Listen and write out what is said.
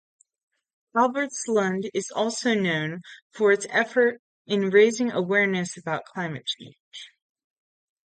Albertslund is also known for its effort in raising awareness about climate change.